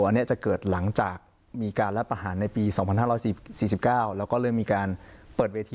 อันนี้จะเกิดหลังจากมีการระถะประหารในปี๒๕๔๙